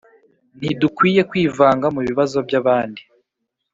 Ntidukwiye kwivanga mu bibazo by’abandi.